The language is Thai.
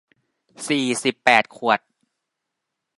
สี่สิบแปดขวด